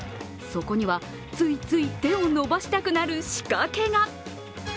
そこには、ついつい手を伸ばしたくなる仕掛けが。